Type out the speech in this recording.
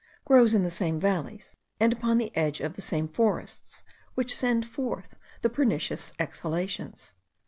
grows in the same valleys, and upon the edge of the same forests which send forth the pernicious exhalations.